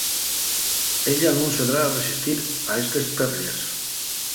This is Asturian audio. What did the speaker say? Ella nun sedrá a resistir a estes perlles.